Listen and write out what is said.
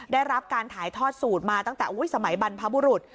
ได้รับการถ่ายทอดสูตรมาตั้งแต่สมัยบรรพบุรุษ